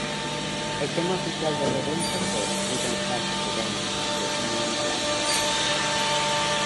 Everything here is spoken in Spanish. El tema oficial del evento fue ""We Don't Have to Dance"" de Andy Black.